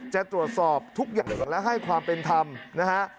จะตรวจสอบทุกอย่างและให้ความเป็นธรรมนะฮะ